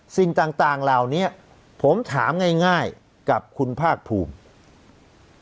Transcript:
สิ่งต่างเหล่านี้ผมถามง่ายกับคุณภาคภูมิ